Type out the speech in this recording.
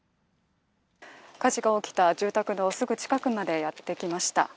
火事が起きた住宅のすぐ近くまでやってきました。